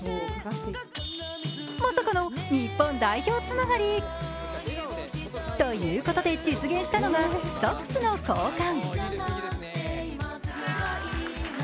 まさかの日本代表つながり。ということで実現したのがソックスの交換。